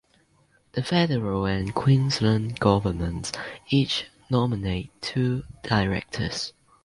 The Federal and Queensland governments each nominate two directors.